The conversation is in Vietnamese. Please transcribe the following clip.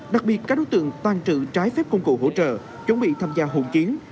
đặc biệt các đối tượng tàn trự trái phép công cụ hỗ trợ chuẩn bị tham gia hùng chiến